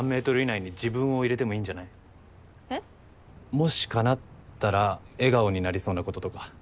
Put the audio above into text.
もしかなったら笑顔になりそうなこととか。